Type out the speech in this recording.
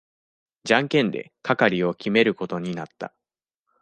じゃんけんで係を決めることになった。